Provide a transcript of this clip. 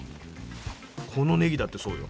このねぎだってそうよ。